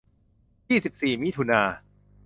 ยี่สิบสี่มิถุนา